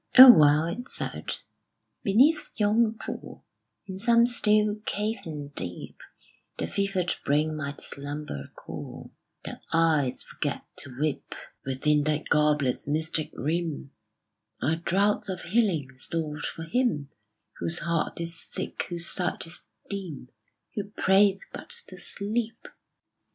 "O well," it said, "beneath yon pool, In some still cavern deep, The fevered brain might slumber cool, The eyes forget to weep: Within that goblet's mystic rim Are draughts of healing, stored for him Whose heart is sick, whose sight is dim, Who prayeth but to sleep!"